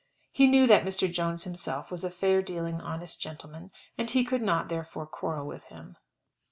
He knew that Mr. Jones himself was a fair dealing, honest gentleman, and he could not, therefore, quarrel with him.